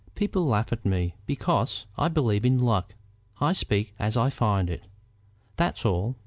People laugh at me because I believe in luck. I speak as I find it; that's all.